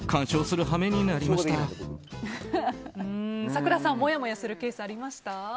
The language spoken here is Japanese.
咲楽さん、もやもやするケースありました？